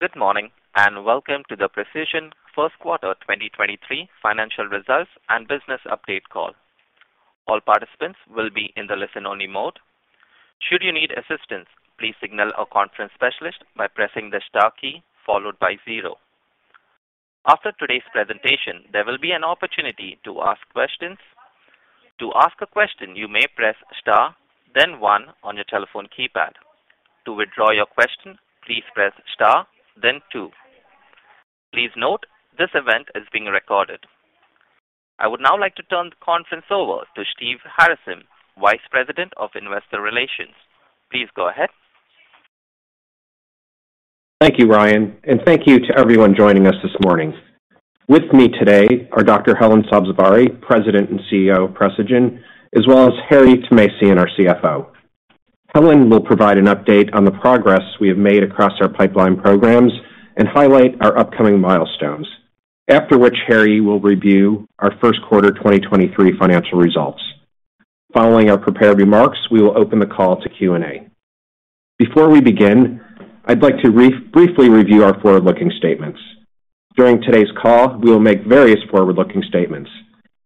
Good morning, welcome to the Precigen First Quarter 2023 Financial Results and Business Update Call. All participants will be in the listen-only mode. Should you need assistance, please signal our conference specialist by pressing the star key followed by zero. After today's presentation, there will be an opportunity to ask questions. To ask a question, you may press Star then one on your telephone keypad. To withdraw your question, please press Star then two. Please note this event is being recorded. I would now like to turn the conference over to Steve Harasym, Vice President of Investor Relations. Please go ahead. Thank you, Ryan. Thank you to everyone joining us this morning. With me today are Dr. Helen Sabzevari, President and CEO of Precigen, as well as Harry Thomasian Jr., our CFO. Helen will provide an update on the progress we have made across our pipeline programs and highlight our upcoming milestones. After which, Harry will review our first quarter 2023 financial results. Following our prepared remarks, we will open the call to Q&A. Before we begin, I'd like to briefly review our forward-looking statements. During today's call, we will make various forward-looking statements.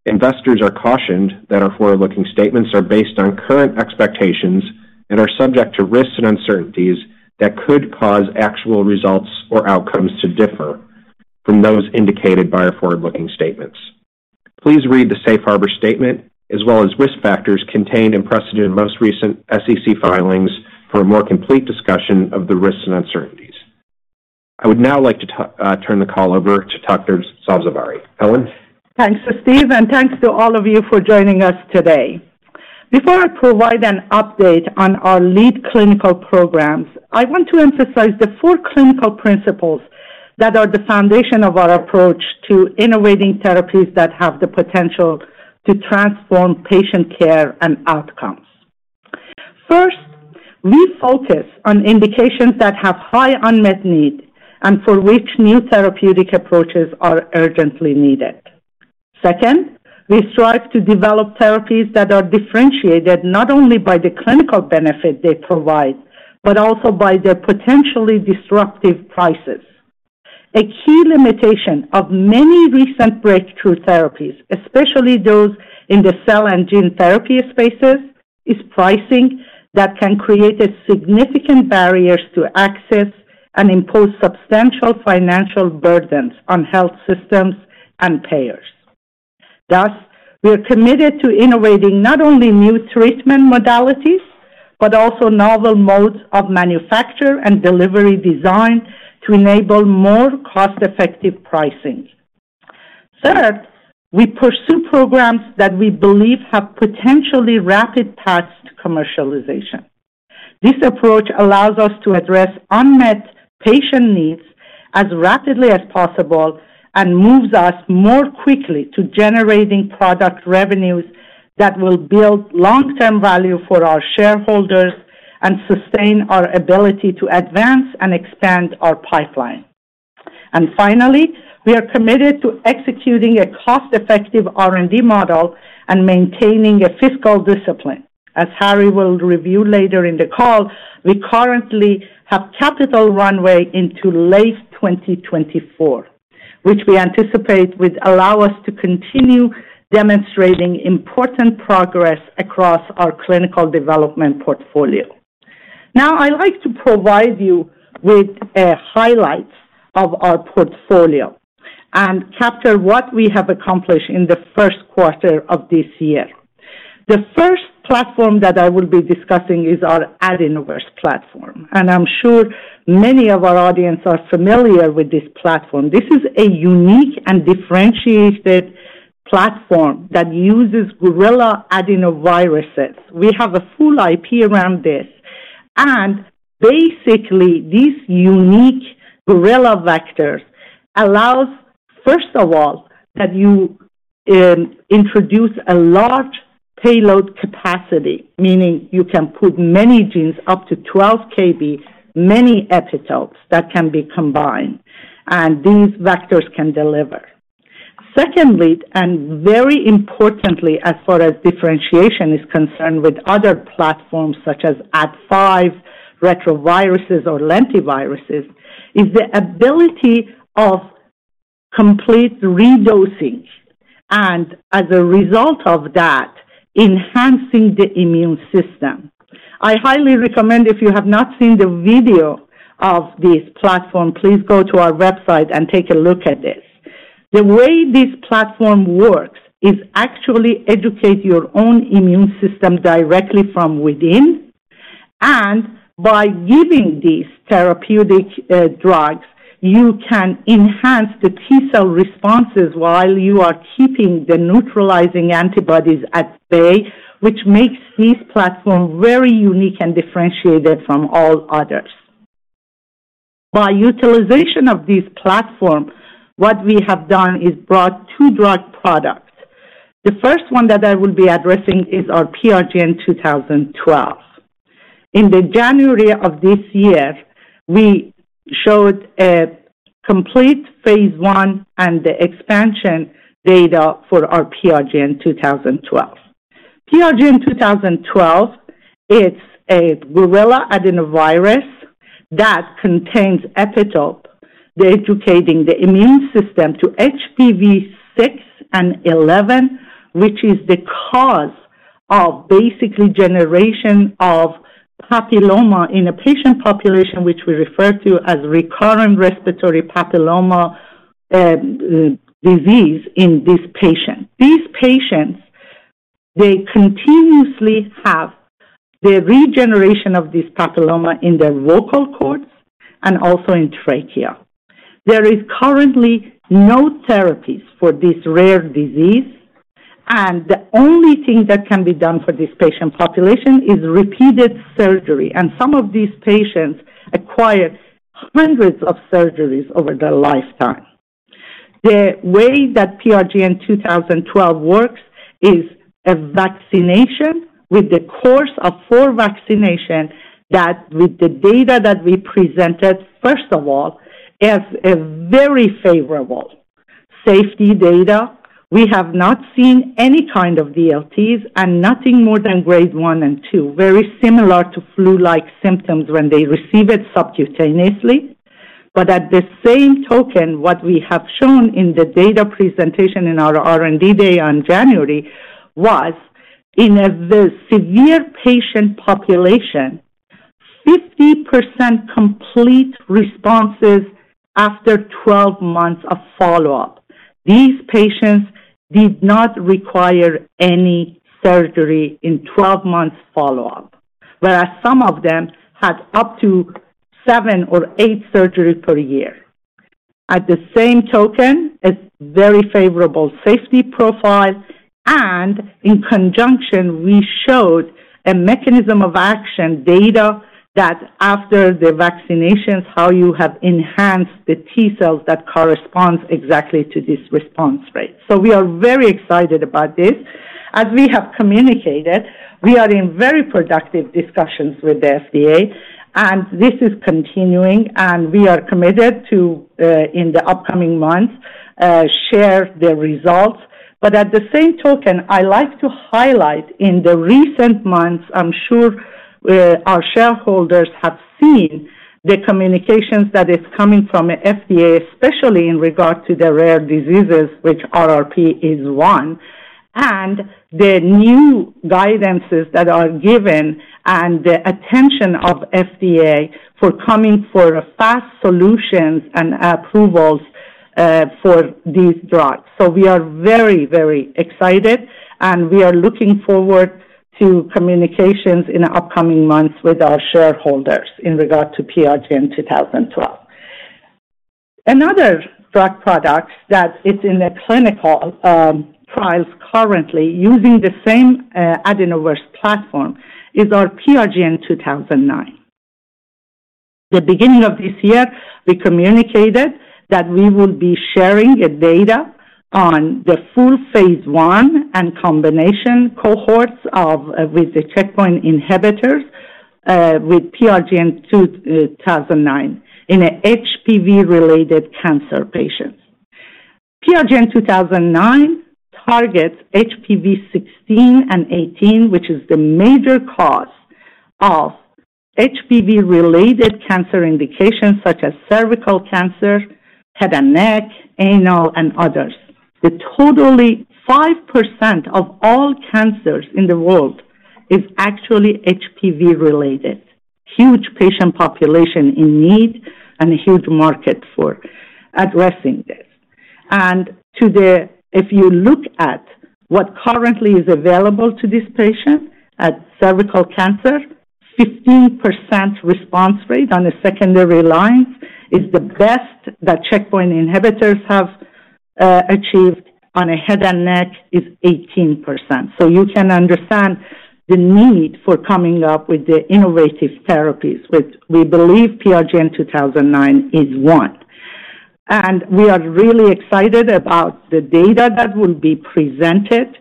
Investors are cautioned that our forward-looking statements are based on current expectations and are subject to risks and uncertainties that could cause actual results or outcomes to differ from those indicated by our forward-looking statements. Please read the safe harbor statement as well as risk factors contained in Precigen most recent SEC filings for a more complete discussion of the risks and uncertainties. I would now like to turn the call over to Dr. Sabzevari. Helen. Thanks to Steve, thanks to all of you for joining us today. Before I provide an update on our lead clinical programs, I want to emphasize the four clinical principles that are the foundation of our approach to innovating therapies that have the potential to transform patient care and outcomes. First, we focus on indications that have high unmet need and for which new therapeutic approaches are urgently needed. Second, we strive to develop therapies that are differentiated not only by the clinical benefit they provide, but also by their potentially disruptive prices. A key limitation of many recent breakthrough therapies, especially those in the cell and gene therapy spaces, is pricing that can create a significant barriers to access and impose substantial financial burdens on health systems and payers. Thus, we're committed to innovating not only new treatment modalities, but also novel modes of manufacture and delivery design to enable more cost-effective pricing. Third, we pursue programs that we believe have potentially rapid paths to commercialization. This approach allows us to address unmet patient needs as rapidly as possible and moves us more quickly to generating product revenues that will build long-term value for our shareholders and sustain our ability to advance and expand our pipeline. Finally, we are committed to executing a cost-effective R&D model and maintaining a fiscal discipline. As Harry will review later in the call, we currently have capital runway into late 2024, which we anticipate will allow us to continue demonstrating important progress across our clinical development portfolio. I like to provide you with highlights of our portfolio and capture what we have accomplished in the first quarter of this year. The first platform that I will be discussing is our AdenoVerse platform. I'm sure many of our audience are familiar with this platform. This is a unique and differentiated platform that uses gorilla adenoviruses. We have a full IP around this. Basically, these unique gorilla vectors allows, first of all, that you introduce a large payload capacity, meaning you can put many genes, up to 12 KB, many epitopes that can be combined, and these vectors can deliver. Secondly, very importantly, as far as differentiation is concerned with other platforms such as Ad5, retroviruses or lentiviruses, is the ability of complete redosing, and as a result of that, enhancing the immune system. I highly recommend if you have not seen the video of this platform, please go to our website and take a look at this. The way this platform works is actually educate your own immune system directly from within. By giving these therapeutic drugs, you can enhance the T-cell responses while you are keeping the neutralizing antibodies at bay, which makes this platform very unique and differentiated from all others. By utilization of this platform, what we have done is brought two drug products. The first one that I will be addressing is our PRGN-2012. In the January of this year, we showed a complete phase 1 and the expansion data for our PRGN-2012. PRGN-2012, it's a gorilla adenovirus that contains epitope, the educating the immune system to HPV 6 and 11, which is the cause of basically generation of papilloma in a patient population, which we refer to as recurrent respiratory papilloma disease in this patient. These patients, they continuously have the regeneration of this papilloma in their vocal cords and also in trachea. There is currently no therapies for this rare disease. The only thing that can be done for this patient population is repeated surgery. Some of these patients acquire hundreds of surgeries over their lifetime. The way that PRGN-2012 works is a vaccination with the course of four vaccination that with the data that we presented, first of all, is a very favorable safety data. We have not seen any kind of DLTs and nothing more than grade one and two, very similar to flu-like symptoms when they receive it subcutaneously. At the same token, what we have shown in the data presentation in our R&D day on January was in a very severe patient population, 50% complete responses after 12 months of follow-up. These patients did not require any surgery in 12 months follow-up, whereas some of them had up to seven or eight surgeries per year. At the same token, a very favorable safety profile and in conjunction, we showed a mechanism of action data that after the vaccinations, how you have enhanced the T cells that corresponds exactly to this response rate. We are very excited about this. As we have communicated, we are in very productive discussions with the FDA, and this is continuing, and we are committed to, in the upcoming months, share the results. At the same token, I like to highlight in the recent months, I'm sure, our shareholders have seen the communications that is coming from the FDA, especially in regard to the rare diseases, which RRP is one, and the new guidances that are given and the attention of FDA for coming for fast solutions and approvals for these drugs. We are very, very excited, and we are looking forward to communications in the upcoming months with our shareholders in regard to PRGN-2012. Another drug product that is in the clinical trials currently using the same AdenoVerse platform is our PRGN-2009. The beginning of this year, we communicated that we will be sharing a data on the full phase 1 and combination cohorts of, with the checkpoint inhibitors, with PRGN-2009 in a HPV-related cancer patients. PRGN-2009 targets HPV 16 and 18, which is the major cause of HPV-related cancer indications such as cervical cancer, head and neck, anal, and others. The totally 5% of all cancers in the world is actually HPV-related. Huge patient population in need and a huge market for addressing this. To the... If you look at what currently is available to this patient at cervical cancer, 15% response rate on a secondary line is the best that checkpoint inhibitors have achieved on a head and neck is 18%. You can understand the need for coming up with the innovative therapies, which we believe PRGN-2009 is one. We are really excited about the data that will be presented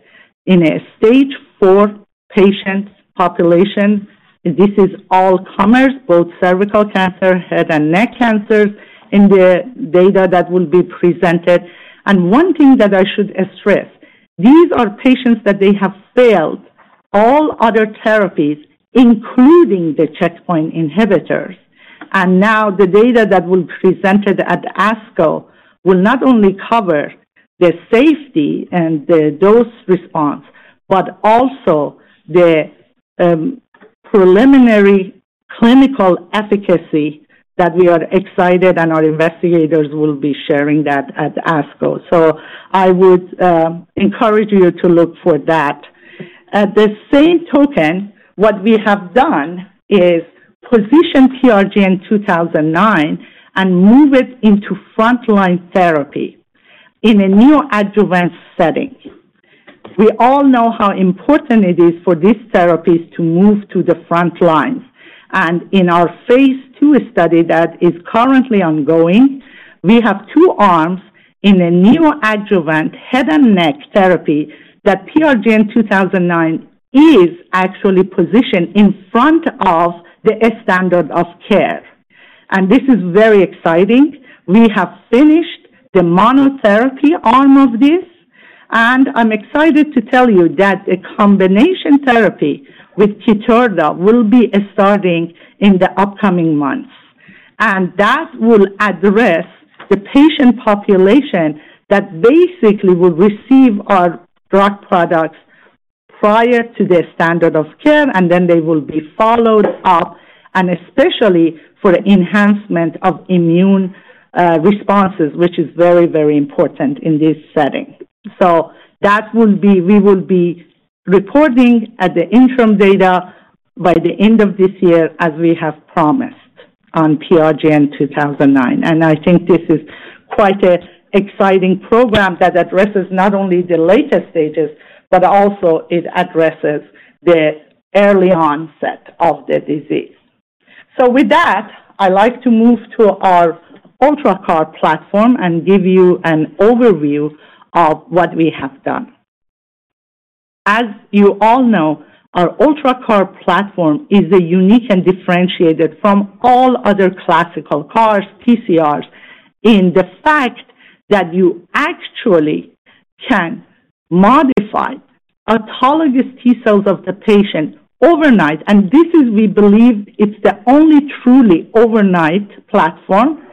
in a stage 4 patient population. This is all comers, both cervical cancer, head and neck cancers, in the data that will be presented. One thing that I should stress, these are patients that they have failed all other therapies, including the checkpoint inhibitors. The data that will be presented at ASCO will not only cover the safety and the dose response, but also the preliminary clinical efficacy that we are excited and our investigators will be sharing that at ASCO. I would encourage you to look for that. At the same token, what we have done is position PRGN-2009 and move it into frontline therapy in a neoadjuvant setting. We all know how important it is for these therapies to move to the front line. In our phase 2 study that is currently ongoing, we have 2 arms in a neoadjuvant head and neck therapy that PRGN-2009 is actually positioned in front of the standard of care. This is very exciting. We have finished the monotherapy arm of this. I'm excited to tell you that a combination therapy with Keytruda will be starting in the upcoming months. That will address the patient population that basically will receive our drug products prior to their standard of care, and then they will be followed up, and especially for the enhancement of immune responses, which is very, very important in this setting. We will be reporting at the interim data by the end of this year, as we have promised on PRGN-2009. I think this is quite an exciting program that addresses not only the later stages, but also it addresses the early onset of the disease. With that, I like to move to our UltraCAR platform and give you an overview of what we have done. As you all know, our UltraCAR platform is a unique and differentiated from all other classical CARs, TCRs in the fact that you actually can modify autologous T cells of the patient overnight. This is, we believe, it's the only truly overnight platform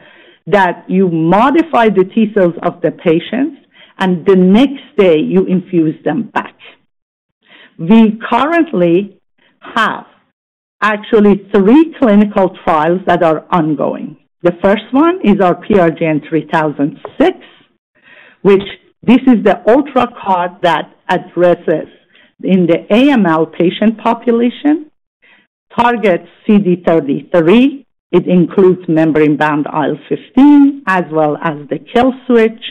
that you modify the T cells of the patients, and the next day you infuse them back. We currently have actually 3 clinical trials that are ongoing. The first one is our PRGN-3006, which this is the UltraCAR that addresses in the AML patient population, targets CD33. It includes membrane-bound IL-15 as well as the kill switch.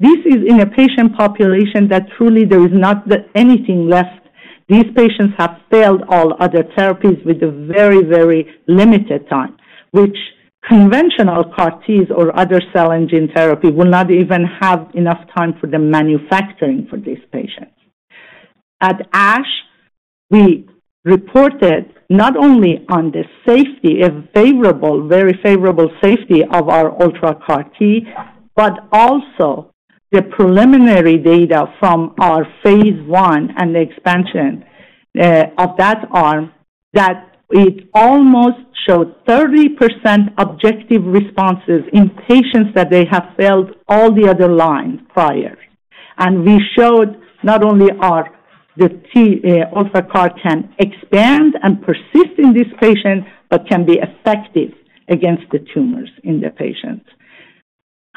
This is in a patient population that truly there is not anything left. These patients have failed all other therapies with a very, very limited time, which conventional CAR-Ts or other cell gene therapy will not even have enough time for the manufacturing for these patients. At ASH, we reported not only on the safety, a favorable, very favorable safety of our UltraCAR-T, but also the preliminary data from our phase I and the expansion of that arm, that it almost showed 30% objective responses in patients that they have failed all the other line prior. We showed not only are the T UltraCAR-T can expand and persist in this patient, but can be effective against the tumors in the patients.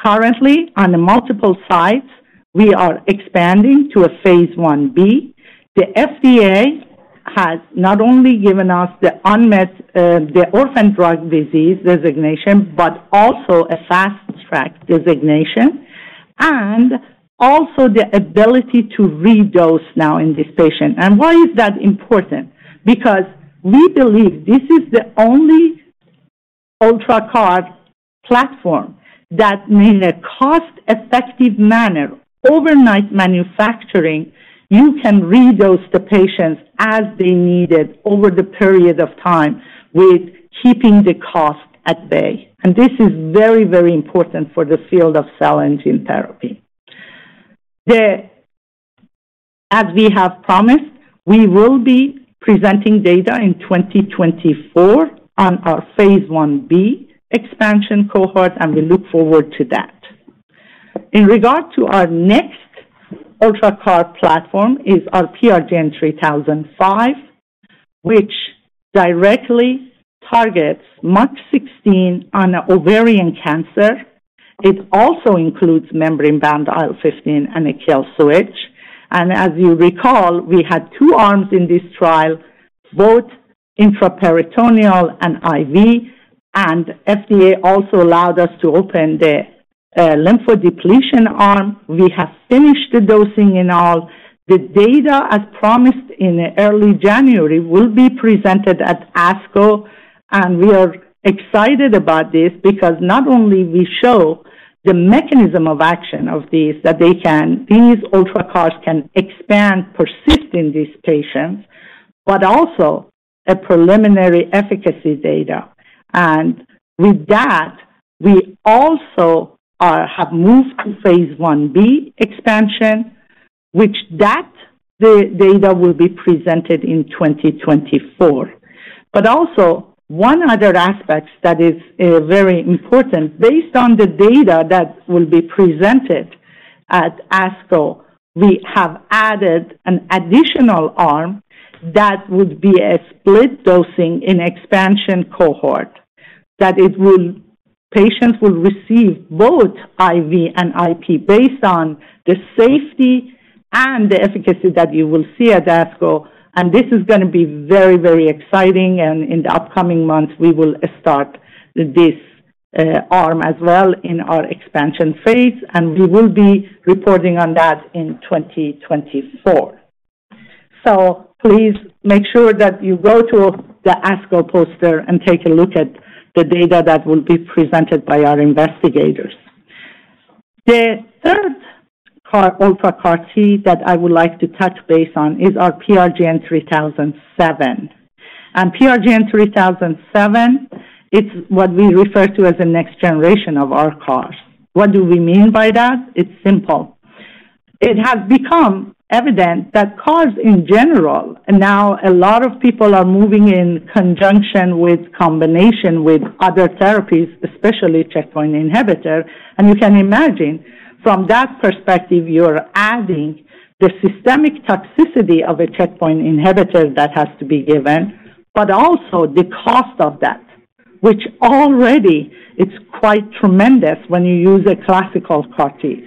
Currently, on the multiple sites, we are expanding to a phase IB. The FDA has not only given us the unmet the orphan drug disease designation, but also a fast track designation, and also the ability to redose now in this patient. Why is that important? We believe this is the only UltraCAR-T platform that in a cost-effective manner, overnight manufacturing, you can redose the patients as they need it over the period of time with keeping the cost at bay. This is very, very important for the field of cell and gene therapy. As we have promised, we will be presenting data in 2024 on our phase 1B expansion cohort, and we look forward to that. In regard to our next UltraCAR-T platform is our PRGN-3005, which directly targets MUC16 on ovarian cancer. It also includes membrane-bound IL-15 and a kill switch. As you recall, we had two arms in this trial, both intraperitoneal and IV, and FDA also allowed us to open the lymphodepletion arm. We have finished the dosing in all. The data, as promised in early January, will be presented at ASCO. We are excited about this because not only we show the mechanism of action of these UltraCARs can expand, persist in these patients, but also a preliminary efficacy data. With that, we also have moved to phase 1B expansion, which that data will be presented in 2024. Also one other aspect that is very important, based on the data that will be presented at ASCO, we have added an additional arm that would be a split dosing in expansion cohort, that patients will receive both IV and IP based on the safety and the efficacy that you will see at ASCO. This is gonna be very, very exciting, and in the upcoming months, we will start this arm as well in our expansion phase, and we will be reporting on that in 2024. Please make sure that you go to the ASCO poster and take a look at the data that will be presented by our investigators. The third UltraCAR-T that I would like to touch base on is our PRGN-3007. PRGN-3007, it's what we refer to as the next generation of our CARs. What do we mean by that? It's simple. It has become evident that CARs in general, now a lot of people are moving in conjunction with combination with other therapies, especially checkpoint inhibitor, you can imagine from that perspective, you're adding the systemic toxicity of a checkpoint inhibitor that has to be given, but also the cost of that, which already it's quite tremendous when you use a classical CAR T.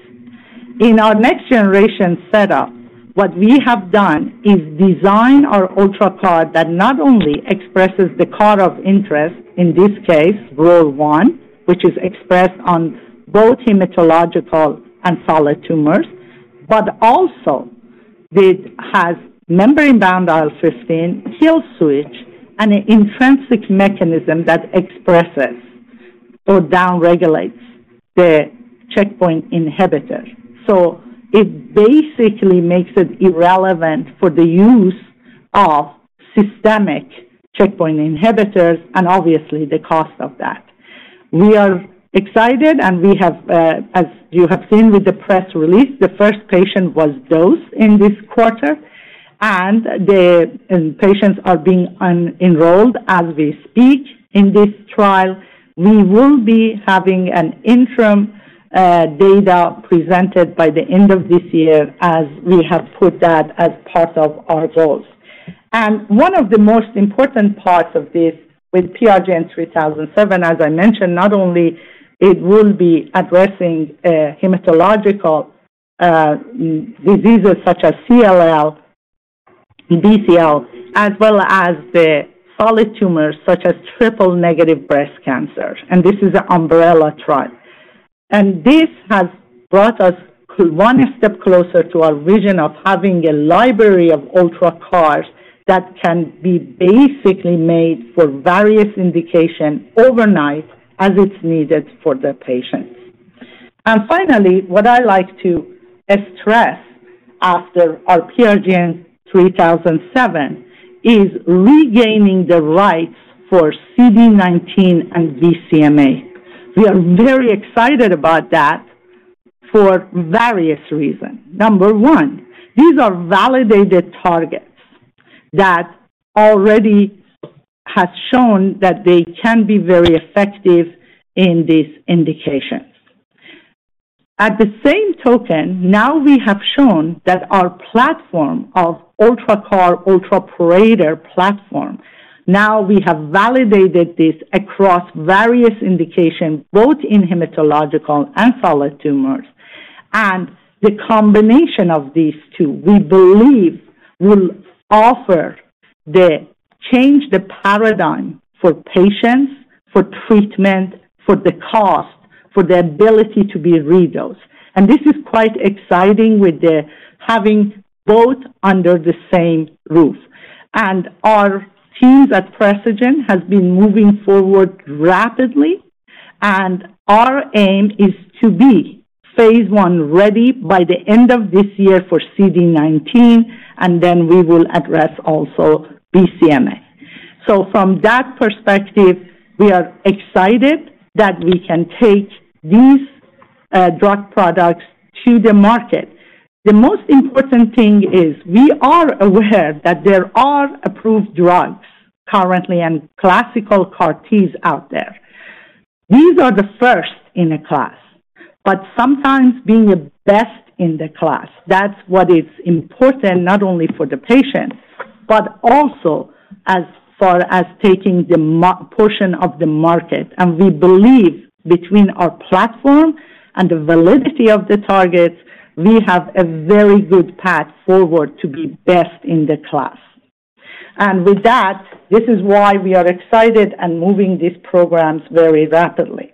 In our next generation setup, what we have done is design our UltraCAR that not only expresses the CAR of interest, in this case, ROR1, which is expressed on both hematological and solid tumors, but also it has membrane-bound IL-15 kill switch and an intrinsic mechanism that expresses or down-regulates the checkpoint inhibitor. It basically makes it irrelevant for the use of systemic checkpoint inhibitors and obviously the cost of that. We are excited, and we have, as you have seen with the press release, the first patient was dosed in this quarter, and patients are being enrolled as we speak in this trial. We will be having an interim data presented by the end of this year, as we have put that as part of our goals. One of the most important parts of this with PRGN-3007, as I mentioned, not only it will be addressing hematological diseases such as CLL, BCL, as well as the solid tumors, such as triple negative breast cancer. This is an umbrella trial. This has brought us one step closer to our vision of having a library of Ultra CARs that can be basically made for various indication overnight as it's needed for the patients. Finally, what I like to stress after our PRGN-3007 is regaining the rights for CD19 and BCMA. We are very excited about that for various reason. Number one, these are validated targets that already has shown that they can be very effective in these indications. At the same token, now we have shown that our platform of Ultra CAR, UltraPorator platform, now we have validated this across various indications, both in hematological and solid tumors. The combination of these two we believe will offer the change the paradigm for patients, for treatment, for the cost, for the ability to be re-dosed. This is quite exciting with the having both under the same roof. Our teams at Precigen has been moving forward rapidly, and our aim is to be phase one ready by the end of this year for CD19, and then we will address also BCMA. From that perspective, we are excited that we can take these drug products to the market. The most important thing is we are aware that there are approved drugs currently and classical CAR T out there. These are the first in a class, but sometimes being the best in the class, that's what is important not only for the patient, but also as far as taking the portion of the market. We believe between our platform and the validity of the targets, we have a very good path forward to be best in the class. With that, this is why we are excited and moving these programs very rapidly.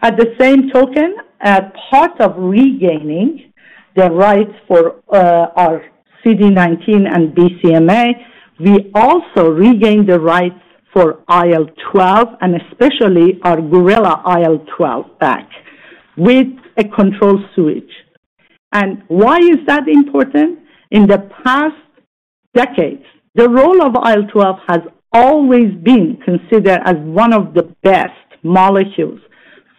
At the same token, part of regaining the rights for our CD19 and BCMA, we also regained the rights for IL-12, and especially our gorilla IL-12 back with a control switch. Why is that important? In the past decades, the role of IL-12 has always been considered as one of the best molecules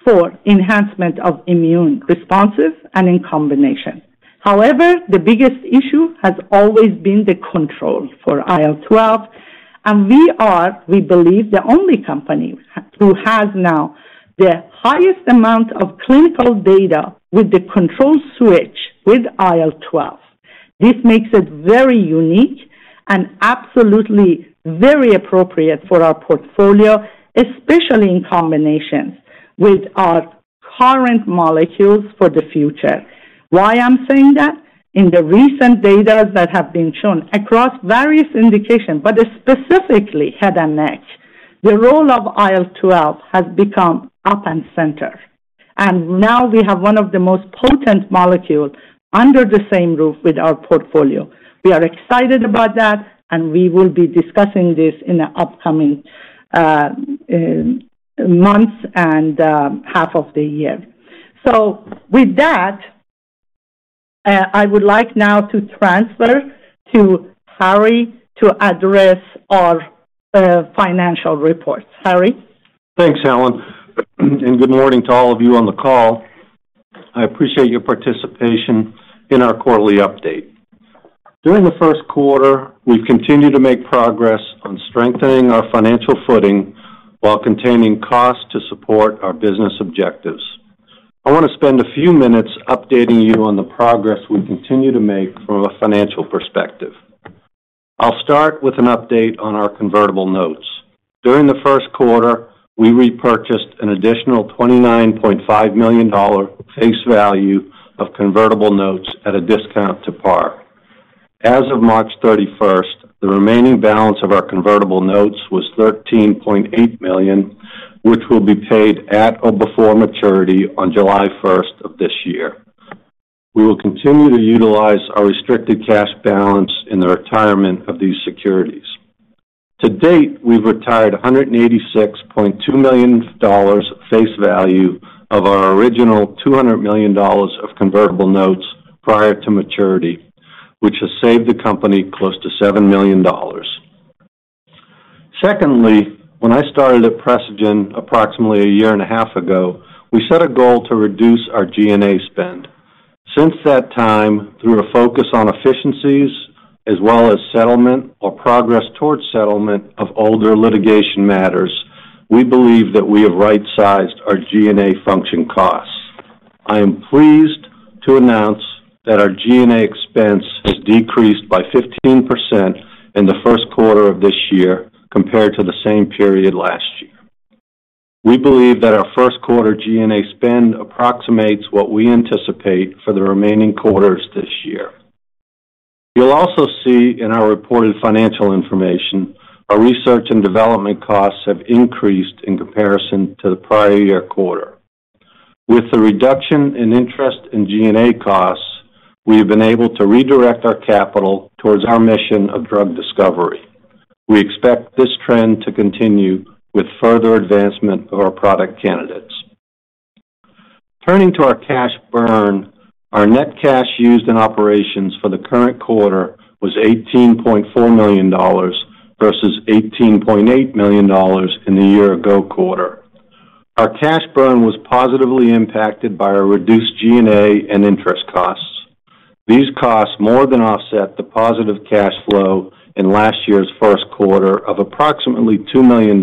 for enhancement of immune responses and in combination. However, the biggest issue has always been the control for IL-12, and we are, we believe, the only company who has now the highest amount of clinical data with the control switch with IL-12. This makes it very unique and absolutely very appropriate for our portfolio, especially in combination with our current molecules for the future. Why I'm saying that? In the recent data that have been shown across various indication, but specifically head and neck, the role of IL-12 has become up and center, and now we have one of the most potent molecule Under the same roof with our portfolio. We are excited about that, and we will be discussing this in the upcoming months and half of the year. With that, I would like now to transfer to Harry to address our financial report. Harry. Thanks, Helen. Good morning to all of you on the call. I appreciate your participation in our quarterly update. During the first quarter, we've continued to make progress on strengthening our financial footing while containing costs to support our business objectives. I want to spend a few minutes updating you on the progress we continue to make from a financial perspective. I'll start with an update on our convertible notes. During the first quarter, we repurchased an additional $29.5 million face value of convertible notes at a discount to par. As of March 31st, the remaining balance of our convertible notes was $13.8 million, which will be paid at or before maturity on July 1st of this year. We will continue to utilize our restricted cash balance in the retirement of these securities. To date, we've retired $186.2 million face value of our original $200 million of convertible notes prior to maturity, which has saved the company close to $7 million. When I started at Precigen approximately a year and a half ago, we set a goal to reduce our G&A spend. Since that time, through a focus on efficiencies as well as settlement or progress towards settlement of older litigation matters, we believe that we have right-sized our G&A function costs. I am pleased to announce that our G&A expense has decreased by 15% in the first quarter of this year compared to the same period last year. We believe that our first quarter G&A spend approximates what we anticipate for the remaining quarters this year. You'll also see in our reported financial information our research and development costs have increased in comparison to the prior year quarter. With the reduction in interest in G&A costs, we have been able to redirect our capital towards our mission of drug discovery. We expect this trend to continue with further advancement of our product candidates. Turning to our cash burn, our net cash used in operations for the current quarter was $18.4 million versus $18.8 million in the year ago quarter. Our cash burn was positively impacted by our reduced G&A and interest costs. These costs more than offset the positive cash flow in last year's first quarter of approximately $2 million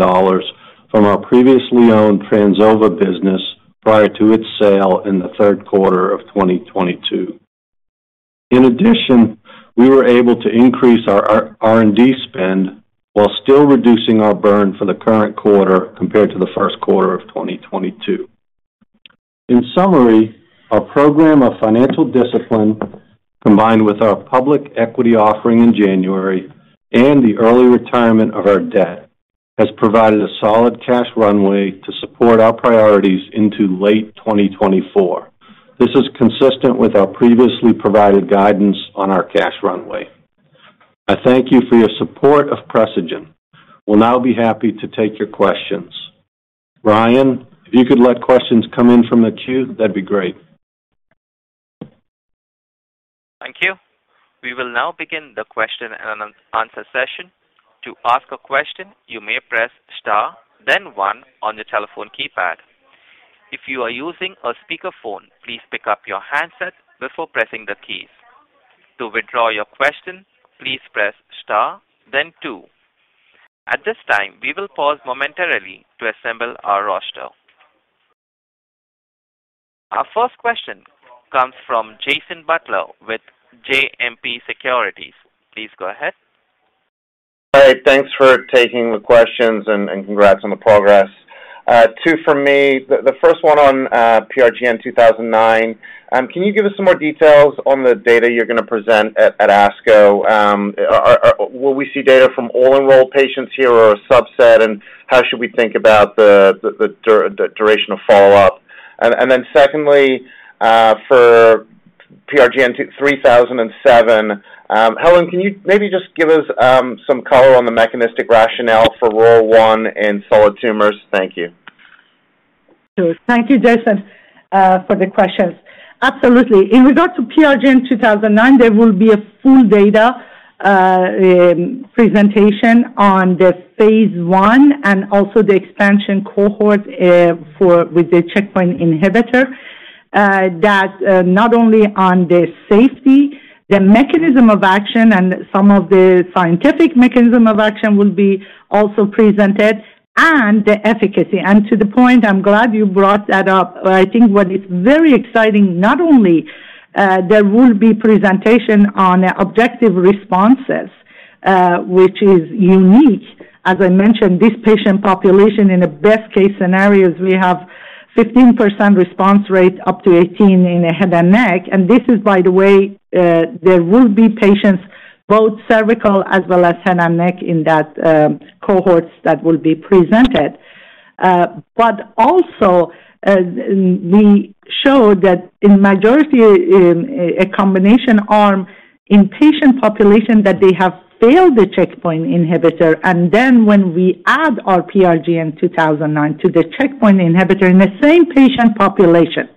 from our previously owned Trans Ova business prior to its sale in the third quarter of 2022. We were able to increase our R&D spend while still reducing our burn for the current quarter compared to the first quarter of 2022. Our program of financial discipline, combined with our public equity offering in January and the early retirement of our debt, has provided a solid cash runway to support our priorities into late 2024. This is consistent with our previously provided guidance on our cash runway. I thank you for your support of Precigen. We'll now be happy to take your questions. Ryan, if you could let questions come in from the queue, that'd be great. Thank you. We will now begin the question and answer session. To ask a question, you may press star then 1 on your telephone keypad. If you are using a speakerphone, please pick up your handset before pressing the keys. To withdraw your question, please press star then 2. At this time, we will pause momentarily to assemble our roster. Our first question comes from Jason Butler with JMP Securities. Please go ahead. All right. Thanks for taking the questions and congrats on the progress. Two for me. The first one on PRGN-2009. Can you give us some more details on the data you're gonna present at ASCO? Will we see data from all enrolled patients here or a subset, and how should we think about the duration of follow-up? Then secondly, for PRGN-3007, Helen, can you maybe just give us some color on the mechanistic rationale for ROR1 in solid tumors? Thank you. Sure. Thank you, Jason, for the questions. Absolutely. In regards to PRGN-2009, there will be a full data presentation on the phase I and also the expansion cohort for with the checkpoint inhibitor that not only on the safety, the mechanism of action and some of the scientific mechanism of action will be also presented and the efficacy. To the point, I'm glad you brought that up. I think what is very exciting, not only, there will be presentation on objective responses, which is unique. As I mentioned, this patient population, in the best case scenarios, we have 15% response rate, up to 18 in head and neck. This is by the way, there will be patients, both cervical as well as head and neck in that cohorts that will be presented. Also, we show that in majority in a combination arm in patient population that they have failed the checkpoint inhibitor, and then when we add our PRGN-2009 to the checkpoint inhibitor in the same patient population,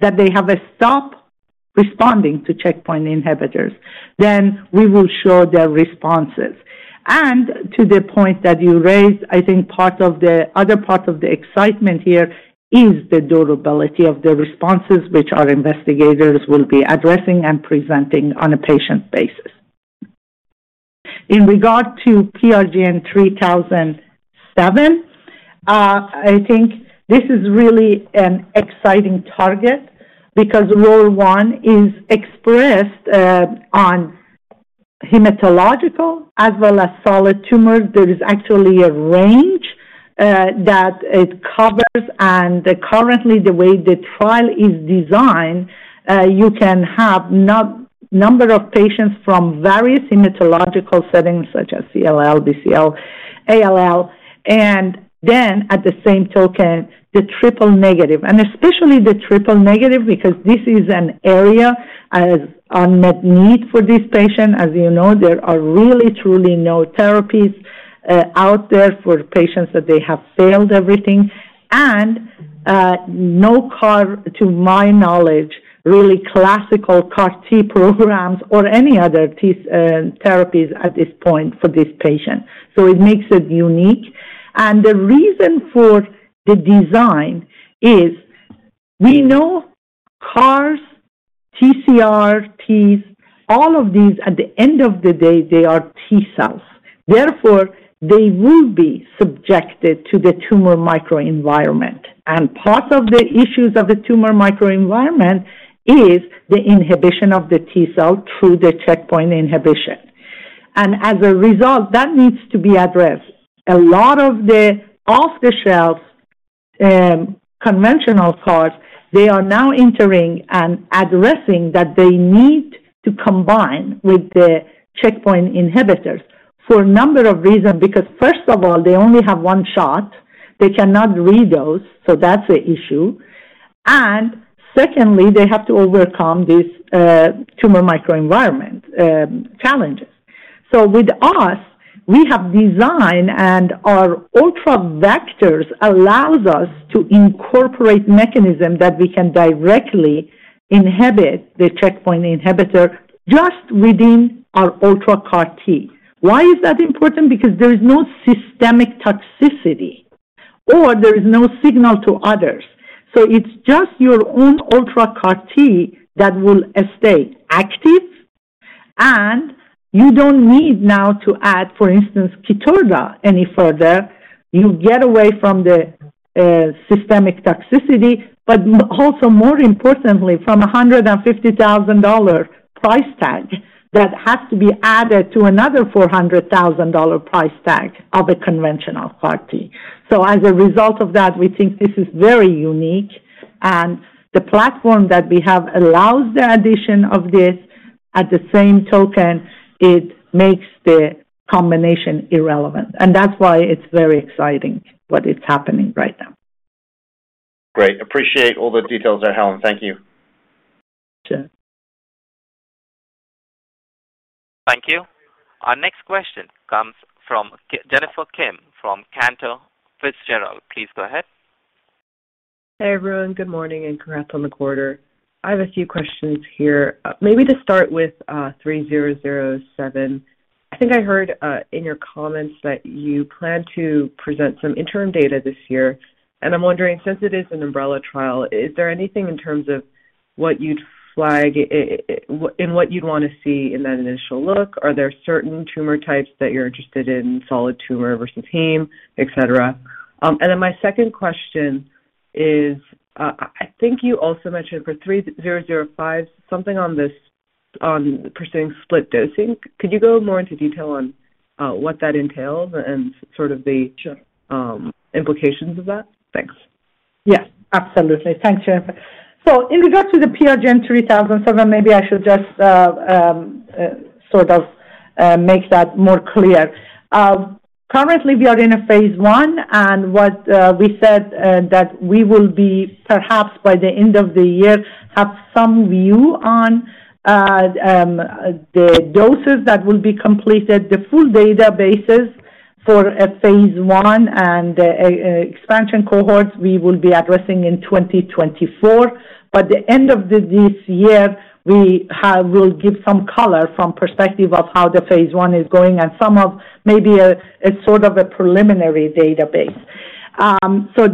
that they have stop responding to checkpoint inhibitors, then we will show their responses. To the point that you raised, I think part of the other part of the excitement here is the durability of the responses which our investigators will be addressing and presenting on a patient basis. In regard to PRGN-3007, I think this is really an exciting target because ROR1 is expressed on hematological as well as solid tumors. There is actually a range that it covers. Currently, the way the trial is designed, you can have number of patients from various hematological settings, such as CLL, BCL, ALL. Then at the same token, the triple negative, especially the triple negative, because this is an area, as unmet need for this patient. As you know, there are really truly no therapies out there for patients that they have failed everything. No CAR, to my knowledge, really classical CAR T programs or any other T therapies at this point for this patient. It makes it unique. The reason for the design is we know CARs, TCR, Ts, all of these, at the end of the day, they are T cells. Therefore, they will be subjected to the tumor microenvironment. Part of the issues of the tumor microenvironment is the inhibition of the T cell through the checkpoint inhibition. As a result, that needs to be addressed. A lot of the off-the-shelf, conventional CARs, they are now entering and addressing that they need to combine with the checkpoint inhibitors for a number of reasons. First of all, they only have one shot, they cannot redose, so that's an issue. Secondly, they have to overcome this tumor microenvironment challenges. With us, we have designed, and our ultra vectors allows us to incorporate mechanism that we can directly inhibit the checkpoint inhibitor just within our UltraCAR-T. Why is that important? There is no systemic toxicity, or there is no signal to others. It's just your own UltraCAR-T that will stay active, and you don't need now to add, for instance, Keytruda any further. You get away from the systemic toxicity, but also more importantly, from a $150,000 price tag that has to be added to another $400,000 price tag of a conventional CAR T. As a result of that, we think this is very unique, and the platform that we have allows the addition of this. At the same token, it makes the combination irrelevant. That's why it's very exciting, what is happening right now. Great. Appreciate all the details there, Helen. Thank you. Sure. Thank you. Our next question comes from Jennifer Kim from Cantor Fitzgerald. Please go ahead. Hey, everyone. Good morning, and congrats on the quarter. I have a few questions here. Maybe to start with PRGN-3007. I think I heard in your comments that you plan to present some interim data this year, and I'm wondering, since it is an umbrella trial, is there anything in terms of what you'd flag what, and what you'd wanna see in that initial look? Are there certain tumor types that you're interested in, solid tumor versus heme, et cetera? My second question is, I think you also mentioned for PRGN-3005, something on pursuing split dosing. Could you go more into detail on what that entails and sort of the implications of that? Thanks. Yes, absolutely. Thanks, Jennifer. In regards to the PRGN-3007, maybe I should just sort of make that more clear. Currently, we are in a phase 1. What we said that we will be, perhaps by the end of the year, have some view on the doses that will be completed. The full databases for a phase 1 and expansion cohorts we will be addressing in 2024. The end of this year, we'll give some color from perspective of how the phase 1 is going and some of maybe a sort of a preliminary database.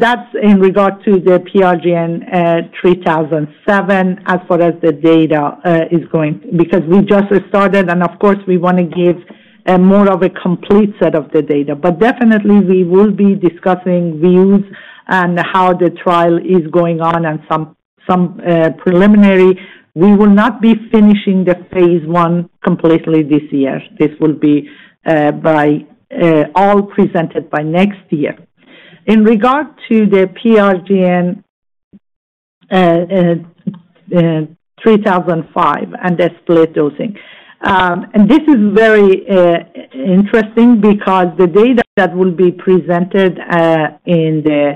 That's in regard to the PRGN-3007 as far as the data is going, because we just started and of course we wanna give more of a complete set of the data. Definitely we will be discussing views on how the trial is going on and some preliminary. We will not be finishing the phase 1 completely this year. This will be by all presented by next year. In regard to the PRGN-3005, and they split dosing. This is very interesting because the data that will be presented in the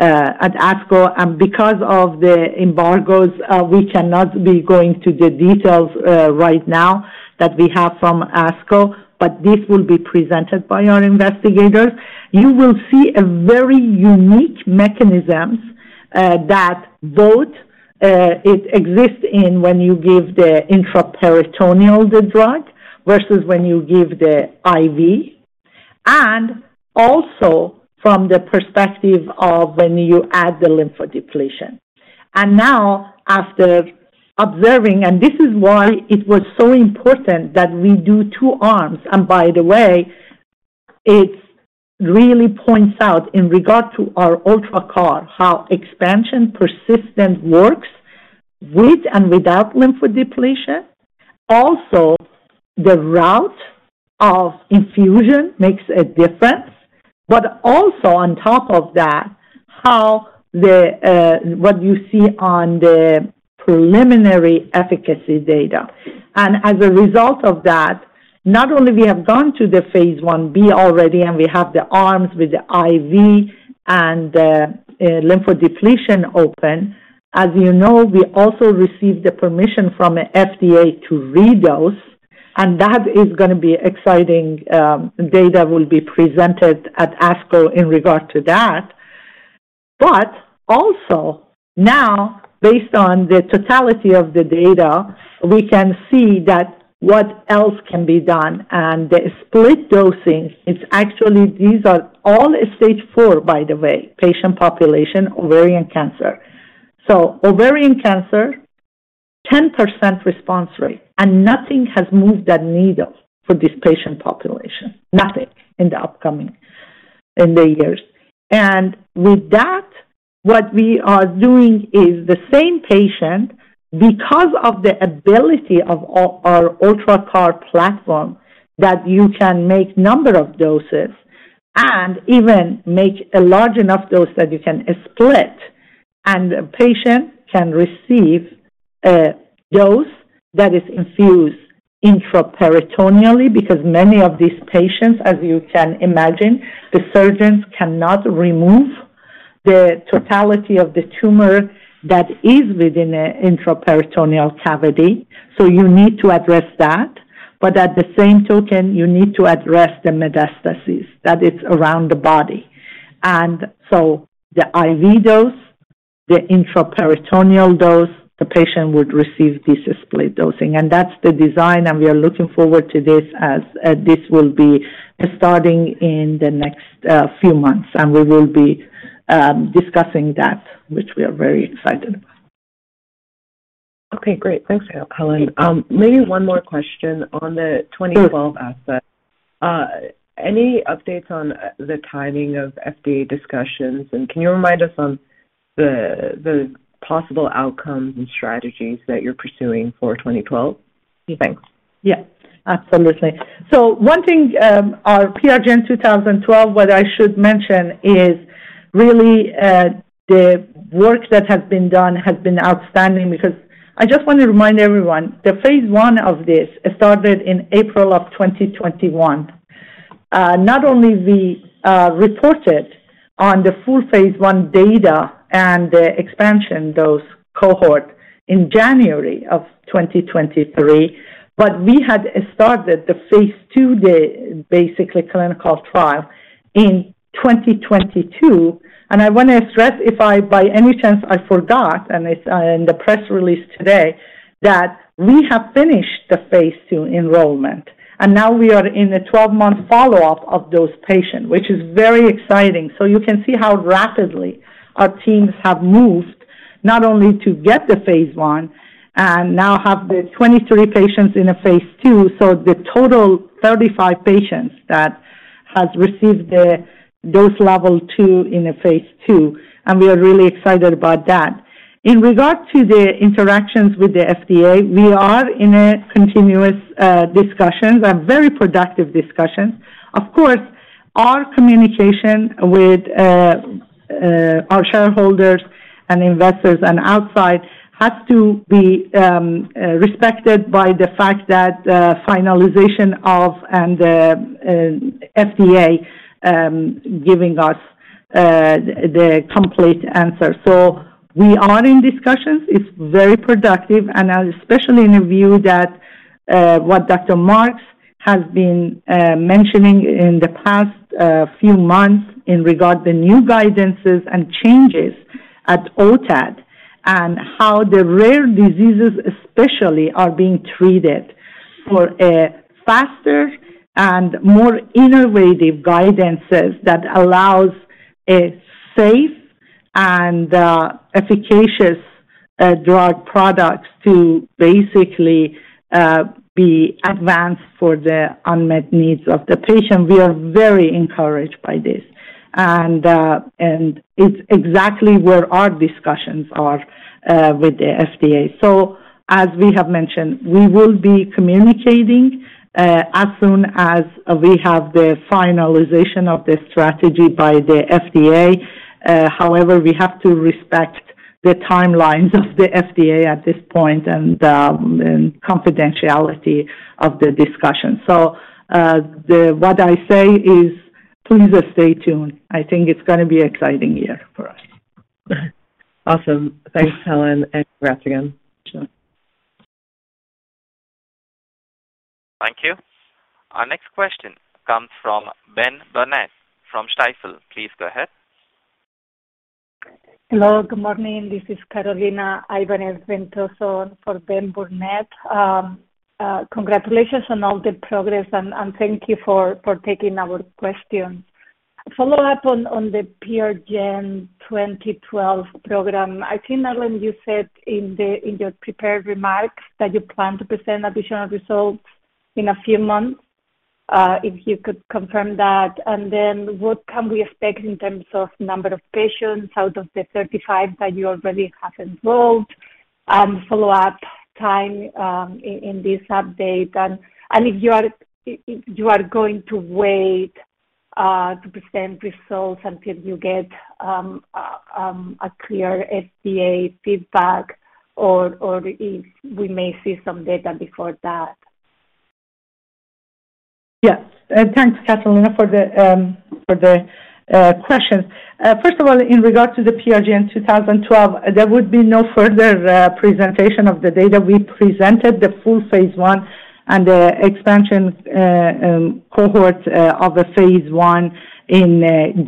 at ASCO, and because of the embargoes, we cannot be going to the details right now that we have from ASCO, but this will be presented by our investigators. You will see a very unique mechanisms, that both, it exists in when you give the intraperitoneal the drug, versus when you give the IV. Also from the perspective of when you add the lymphodepletion. Now, after observing, and this is why it was so important that we do two arms, and by the way, it really points out in regard to our UltraCAR-T, how expansion persistence works with and without lymphodepletion. Also, the route of infusion makes a difference, but also on top of that, how the what you see on the preliminary efficacy data. As a result of that, not only we have gone to the phase 1B already, and we have the arms with the IV and the lymphodepletion open. As you know, we also received the permission from the FDA to redose, that is gonna be exciting, data will be presented at ASCO in regard to that. Also, now, based on the totality of the data, we can see that what else can be done, and the split dosing, it's actually these are all stage four, by the way, patient population ovarian cancer. Ovarian cancer, 10% response rate, and nothing has moved that needle for this patient population, nothing in the upcoming years. With that, what we are doing is the same patient, because of the ability of our UltraCAR-T platform, that you can make number of doses and even make a large enough dose that you can split, and a patient can receive a dose that is infused intraperitoneally because many of these patients, as you can imagine, the surgeons cannot remove the totality of the tumor that is within a intraperitoneal cavity. You need to address that. At the same token, you need to address the metastasis that it's around the body. The IV dose, the intraperitoneal dose, the patient would receive this split dosing. That's the design, and we are looking forward to this as this will be starting in the next few months. We will be discussing that, which we are very excited about. Okay, great. Thanks, Helen. Maybe one more question on the 2012 asset. Any updates on the timing of FDA discussions, and can you remind us on the possible outcomes and strategies that you're pursuing for 2012? Thanks. Yeah, absolutely. One thing, our PRGN-2012, what I should mention is really, the work that has been done has been outstanding because I just want to remind everyone, the phase 1 of this started in April of 2021. Not only we reported on the full phase 1 data and the expansion dose cohort in January of 2023, but we had started the phase 2 clinical trial in 2022. I want to stress if I, by any chance I forgot, and it's in the press release today, that we have finished the phase 2 enrollment, and now we are in the 12-month follow-up of those patients, which is very exciting. You can see how rapidly our teams have moved not only to get the phase 1 and now have the 23 patients in a phase 2, so the total 35 patients that has received the dose level 2 in a phase 2. We are really excited about that. In regard to the interactions with the FDA, we are in a continuous discussions, a very productive discussions. Our communication with our shareholders and investors and outside has to be respected by the fact that finalization of and FDA giving us the complete answer. We are in discussions. It's very productive, and especially in a view that what Dr. Marks has been mentioning in the past few months in regard the new guidances and changes at OTAT and how the rare diseases especially are being treated for a faster and more innovative guidances that allows a safe and efficacious drug products to basically be advanced for the unmet needs of the patient. We are very encouraged by this. It's exactly where our discussions are with the FDA. As we have mentioned, we will be communicating as soon as we have the finalization of the strategy by the FDA. However, we have to respect the timelines of the FDA at this point and confidentiality of the discussion. What I say is please stay tuned. I think it's gonna be exciting year for us. Awesome. Thanks, Helen, and congrats again. Sure. Thank you. Our next question comes from Ben Burnett from Stifel. Please go ahead. Hello, good morning. This is for Ben Burnett. Congratulations on all the progress and thank you for taking our questions. Follow up on the PRGN-2012 program. I think, Helen, you said in your prepared remarks that you plan to present additional results in a few months. If you could confirm that, what can we expect in terms of number of patients out of the 35 that you already have enrolled and follow-up time in this update? If you are going to wait to present results until you get a clear FDA feedback or if we may see some data before that. Yes. Thanks, Carolina, for the question. First of all, in regards to the PRGN-2012, there would be no further presentation of the data. We presented the full phase one and the expansion cohort of the phase one in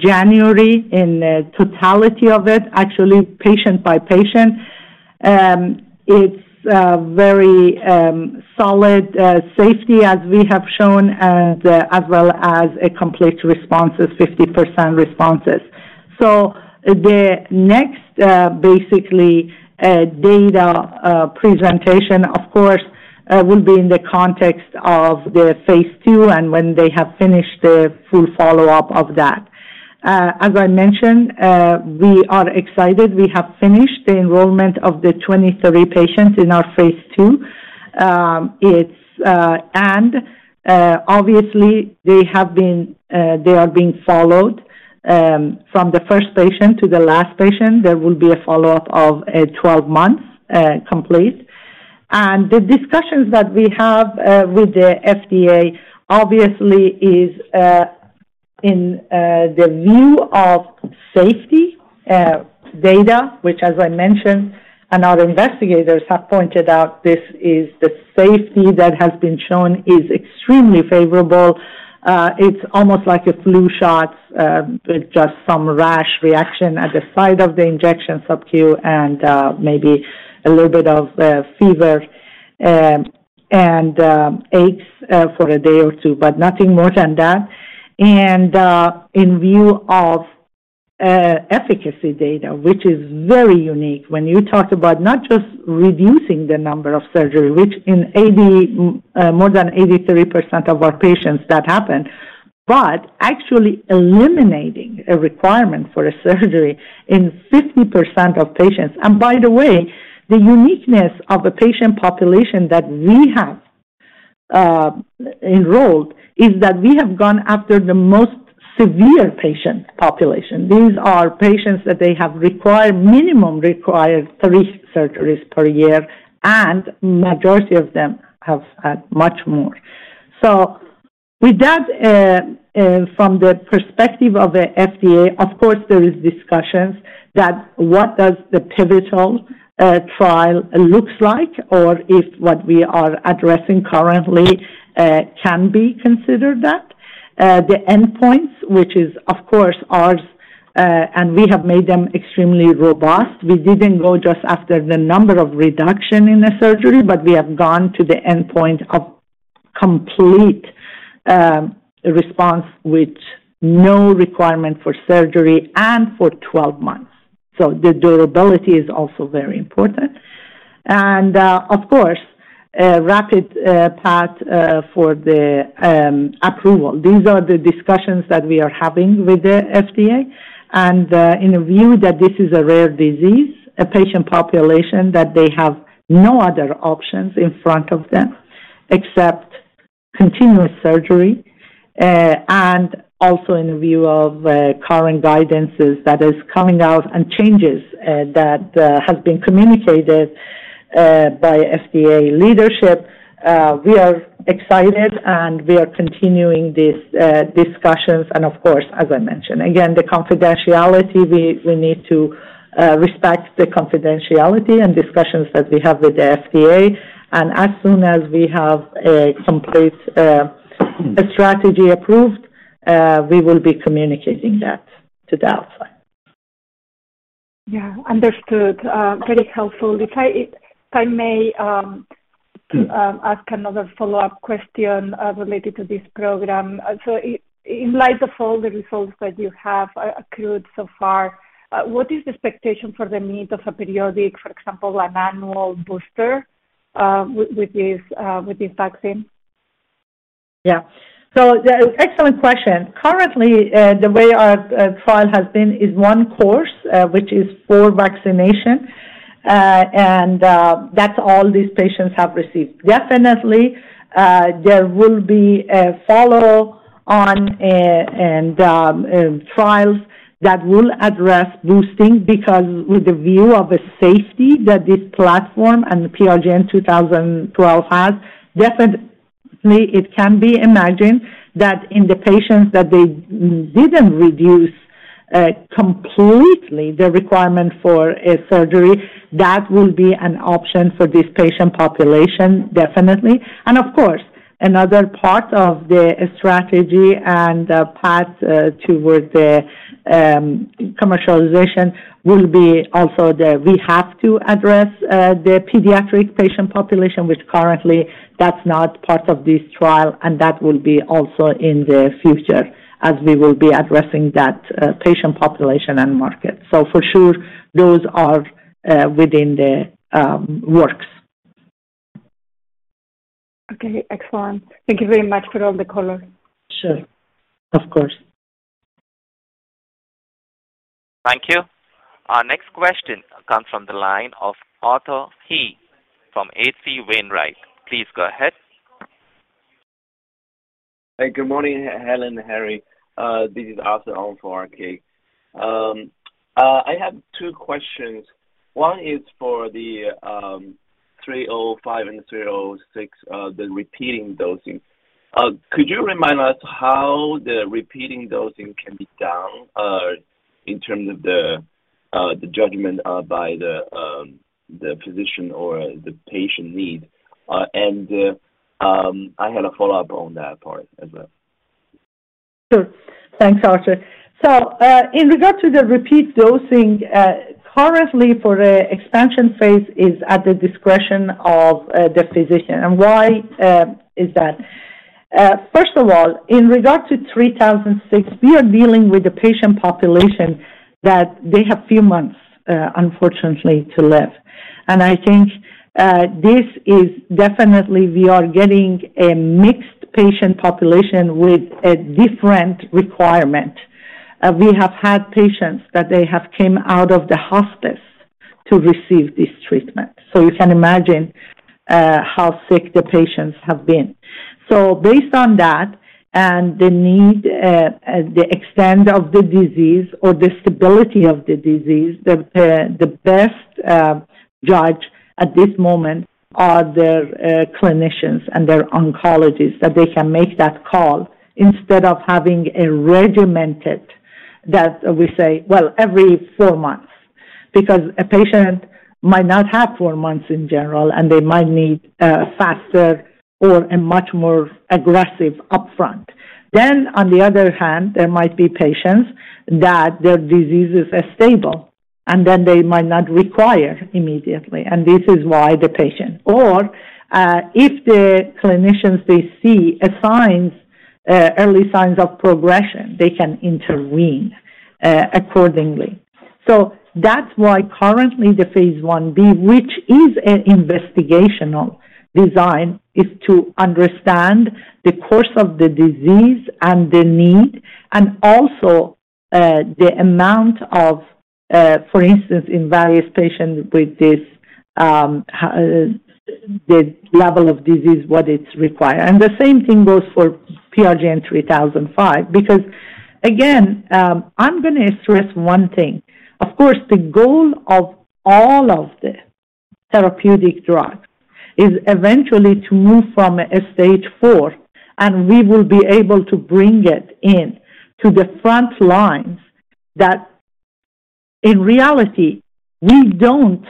January in totality of it, actually patient by patient. It's very solid safety as we have shown as well as complete responses, 50% responses. The next basically data presentation, of course, will be in the context of the phase two and when they have finished the full follow-up of that. As I mentioned, we are excited. We have finished the enrollment of the 23 patients in our phase two. Obviously they have been, they are being followed, from the first patient to the last patient. There will be a follow-up of 12 months complete. The discussions that we have with the FDA obviously is in the view of safety data, which, as I mentioned and our investigators have pointed out, this is the safety that has been shown is extremely favorable. It's almost like a flu shot, with just some rash reaction at the site of the injection subQ and maybe a little bit of fever, and aches, for a day or two, but nothing more than that. In view of efficacy data, which is very unique when you talk about not just reducing the number of surgery, which in 80, more than 83% of our patients that happened, but actually eliminating a requirement for a surgery in 50% of patients. By the way, the uniqueness of the patient population that we have enrolled is that we have gone after the most severe patient population. These are patients that they have required, minimum required 3 surgeries per year, and majority of them have had much more. With that, from the perspective of the FDA, of course, there is discussions that what does the pivotal trial looks like or if what we are addressing currently can be considered that. The endpoints, which is of course ours, and we have made them extremely robust. We didn't go just after the number of reduction in the surgery, but we have gone to the endpoint of complete response with no requirement for surgery and for 12 months. The durability is also very important. Of course, a rapid path for the approval. These are the discussions that we are having with the FDA. In the view that this is a rare disease, a patient population that they have no other options in front of them except continuous surgery, and also in the view of current guidances that is coming out and changes that has been communicated by FDA leadership, we are excited, and we are continuing these discussions. Of course, as I mentioned, again, the confidentiality, we need to respect the confidentiality and discussions that we have with the FDA. As soon as we have a complete strategy approved, we will be communicating that to the outside. Yeah, understood. Very helpful. If I may ask another follow-up question related to this program. In light of all the results that you have accrued so far, what is the expectation for the need of a periodic, for example, an annual booster with this vaccine? Yeah. excellent question. Currently, the way our trial has been is one course, which is four vaccination. That's all these patients have received. Definitely, there will be a follow on and trials that will address boosting because with the view of the safety that this platform and the PRGN-2012 has, definitely it can be imagined that in the patients that they didn't reduce completely the requirement for a surgery, that will be an option for this patient population, definitely. Of course, another part of the strategy and path towards the commercialization will be also the, we have to address the pediatric patient population, which currently that's not part of this trial, and that will be also in the future as we will be addressing that patient population and market. For sure, those are within the works. Okay, excellent. Thank you very much for all the color. Sure. Of course. Thank you. Our next question comes from the line of Arthur He from H.C. Wainwright. Please go ahead. Hey, good morning, Helen, Harry. This is Arthur on for RK. I have two questions. One is for the PRGN-3005 and PRGN-3006, the repeating dosing. Could you remind us how the repeating dosing can be done in terms of the judgment by the physician or the patient need? I had a follow-up on that part as well. Sure. Thanks, Arthur. In regards to the repeat dosing, currently for the expansion phase is at the discretion of the physician. Why is that? First of all, in regard to PRGN-3006, we are dealing with a patient population that they have few months, unfortunately to live. I think this is definitely we are getting a mixed patient population with a different requirement. We have had patients that they have came out of the hospice to receive this treatment. You can imagine how sick the patients have been. Based on that and the need, the extent of the disease or the stability of the disease, the best judge at this moment are their clinicians and their oncologists, that they can make that call instead of having a regimented that we say, well, every four months. A patient might not have four months in general, and they might need faster or a much more aggressive upfront. On the other hand, there might be patients that their disease is stable, and then they might not require immediately, and this is why the patient. If the clinicians they see signs, early signs of progression, they can intervene accordingly. That's why currently the phase 1B, which is an investigational design, is to understand the course of the disease and the need, and also, the amount of, for instance, in various patients with this, the level of disease, what it's required. The same thing goes for PRGN-3005 because again, I'm gonna stress one thing. Of course, the goal of all of the therapeutic drugs is eventually to move from a stage 4, and we will be able to bring it in to the front lines that in reality, we don't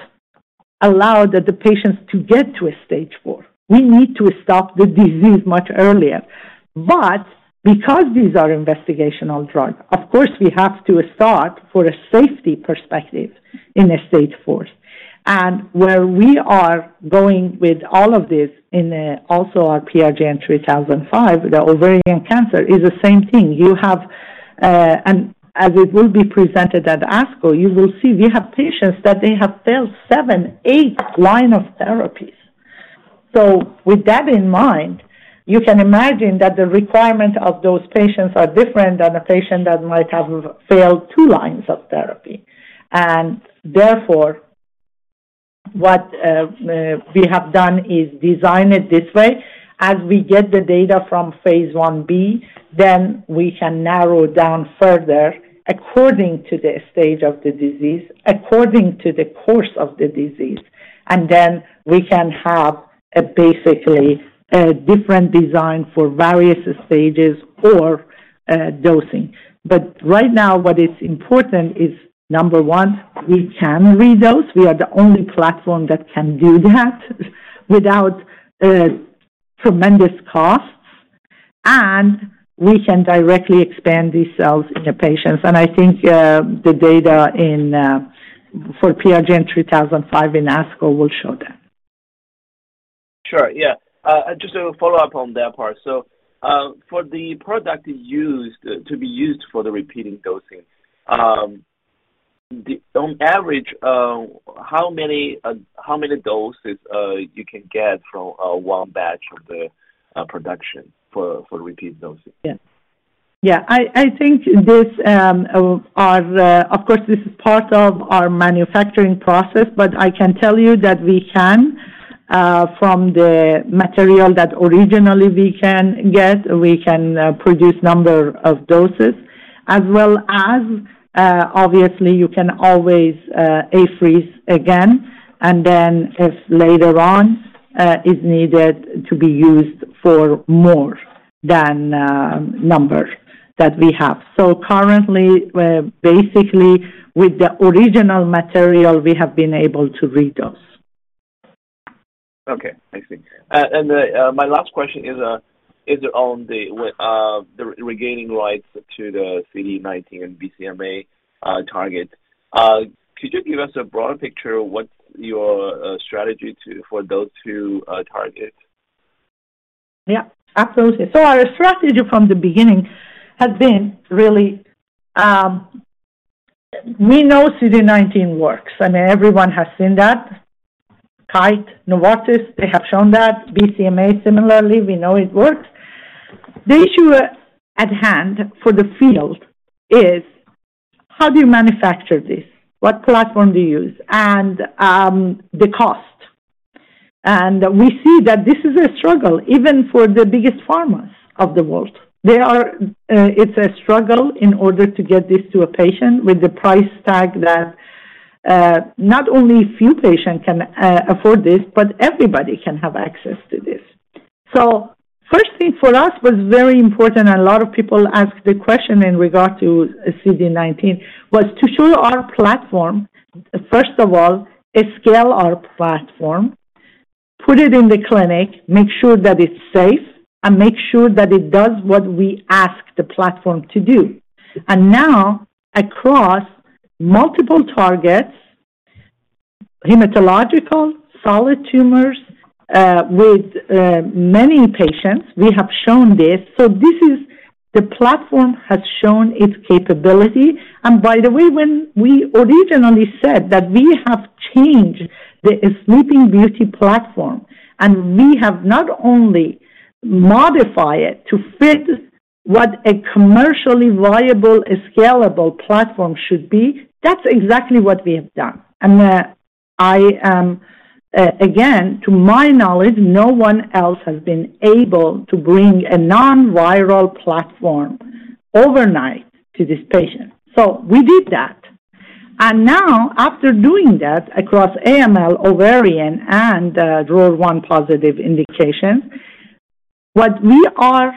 allow the patients to get to a stage 4. We need to stop the disease much earlier. Because these are investigational drug, of course, we have to start for a safety perspective in a stage 4. Where we are going with all of this in, also our PRGN-3005, the ovarian cancer, is the same thing. You have, and as it will be presented at ASCO, you will see we have patients that they have failed seven, eight line of therapies. With that in mind, you can imagine that the requirement of those patients are different than a patient that might have failed two lines of therapy. Therefore, what, we have done is design it this way. We get the data from phase 1B, then we can narrow down further according to the stage of the disease, according to the course of the disease. Then we can have a basically a different design for various stages or, dosing. Right now what is important is, number one, we can redose. We are the only platform that can do that without tremendous costs. We can directly expand these cells in the patients. I think, the data in, for PRGN-3005 in ASCO will show that. Sure, yeah. Just a follow-up on that part. For the product used, to be used for the repeating dosing, the on average, how many doses you can get from one batch of the production for repeating dosing? Yeah, I think this, our, of course, this is part of our manufacturing process, but I can tell you that we can, from the material that originally we can get, we can produce number of doses as well as, obviously, you can always freeze again and then if later on, is needed to be used for more than number that we have. Currently, we're basically with the original material we have been able to redose. Okay. I see. My last question is on the regaining rights to the CD19 and BCMA, target. Could you give us a broader picture of what your strategy for those two, targets? Yeah, absolutely. Our strategy from the beginning has been really, we know CD19 works, and everyone has seen that. Kite, Novartis, they have shown that. BCMA similarly, we know it works. The issue at hand for the field is how do you manufacture this? What platform do you use? The cost. We see that this is a struggle even for the biggest pharmas of the world. They are, it's a struggle in order to get this to a patient with the price tag that not only a few patients can afford this, but everybody can have access to this. First thing for us was very important, and a lot of people ask the question in regard to CD19, was to show our platform, first of all, scale our platform, put it in the clinic, make sure that it's safe and make sure that it does what we ask the platform to do. Now across multiple targets, hematological, solid tumors, with many patients, we have shown this. This is the platform has shown its capability. By the way, when we originally said that we have changed the Sleeping Beauty platform, and we have not only modify it to fit what a commercially viable, scalable platform should be, that's exactly what we have done. I am again, to my knowledge, no one else has been able to bring a non-viral platform overnight to this patient. We did that. Now after doing that across AML, ovarian, and ROR1 positive indication, what we are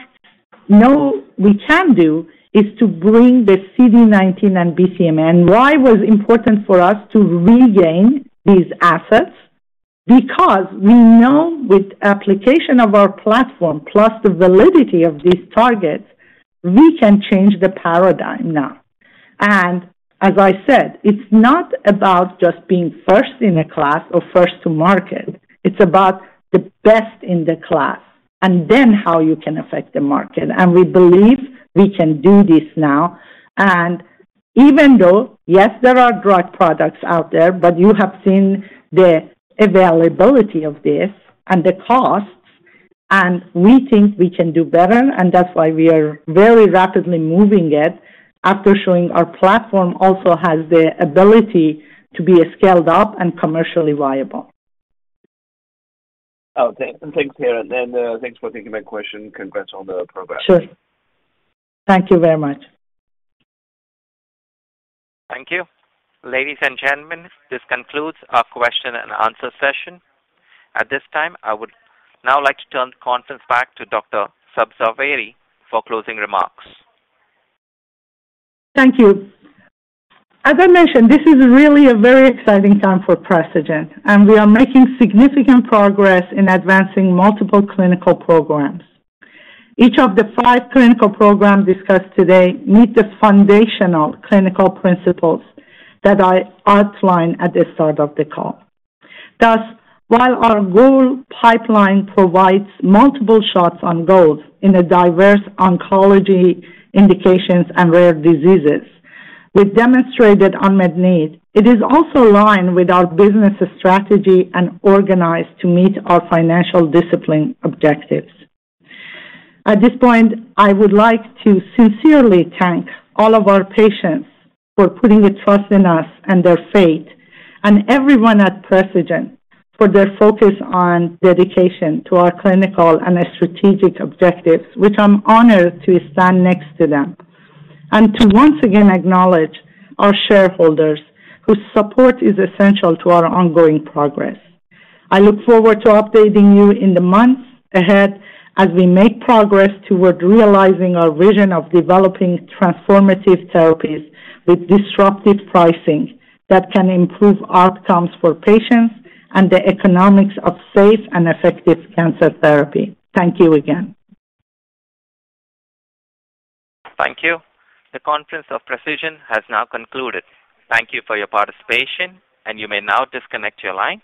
know we can do is to bring the CD19 and BCMA. Why was important for us to regain these assets? Because we know with application of our platform plus the validity of these targets, we can change the paradigm now. As I said, it's not about just being first in a class or first to market. It's about the best in the class and then how you can affect the market. We believe we can do this now. Even though, yes, there are drug products out there, but you have seen the availability of this and the costs, and we think we can do better, and that's why we are very rapidly moving it after showing our platform also has the ability to be scaled up and commercially viable. Oh, okay. Thanks, Hira. Thanks for taking my question. Congrats on the progress. Sure. Thank you very much. Thank you. Ladies and gentlemen, this concludes our question and answer session. At this time, I would now like to turn the conference back to Dr. Sabzevari for closing remarks. Thank you. As I mentioned, this is really a very exciting time for Precigen, and we are making significant progress in advancing multiple clinical programs. Each of the five clinical programs discussed today meet the foundational clinical principles that I outlined at the start of the call. Thus, while our goal pipeline provides multiple shots on goals in a diverse oncology indications and rare diseases, we've demonstrated unmet need. It is also aligned with our business strategy and organized to meet our financial discipline objectives. At this point, I would like to sincerely thank all of our patients for putting their trust in us and their faith and everyone at Precigen for their focus on dedication to our clinical and strategic objectives, which I'm honored to stand next to them, and to once again acknowledge our shareholders whose support is essential to our ongoing progress. I look forward to updating you in the months ahead as we make progress toward realizing our vision of developing transformative therapies with disruptive pricing that can improve outcomes for patients and the economics of safe and effective cancer therapy. Thank you again. Thank you. The conference of Precigen has now concluded. Thank you for your participation, and you may now disconnect your lines.